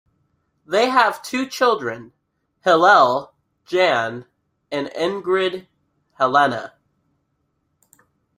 They have two children, Hillel Jan and Ingrid Helena.